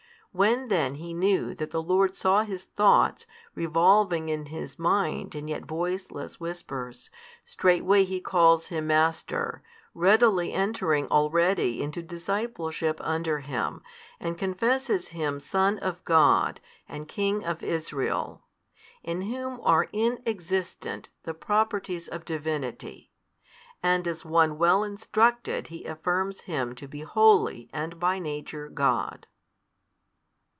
When then he knew that the Lord saw his thoughts revolving in his mind in yet voiceless whispers, straightway he calls Him Master, readily entering already into discipleship under Him, and confesses Him Son of God and King of Israel, in Whom are inexistent the Properties of Divinity, and as one well instructed he affirms Him to be wholly and by Nature God.